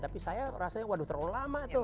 tapi saya rasanya waduh terlalu lama tuh